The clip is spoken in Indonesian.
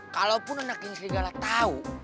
kalaupun anak anak yang serigala tau